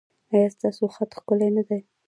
ایا ستاسو خط ښکلی نه دی؟